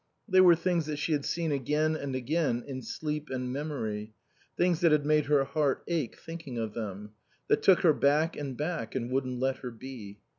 They were things that she had seen again and again in sleep and memory; things that had made her heart ache thinking of them; that took her back and back, and wouldn't let her be.